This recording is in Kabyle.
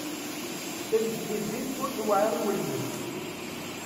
Tanglizit ur tewɛiṛ i welmad.